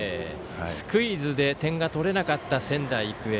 スクイズで点が取れなかった仙台育英。